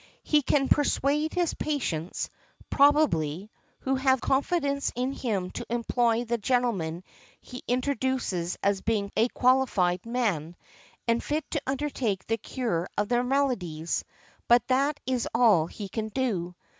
He can persuade his patients, probably, who have confidence in him to employ the gentleman he introduces as being a qualified man, and fit to undertake the cure of their maladies, but that is all he can do.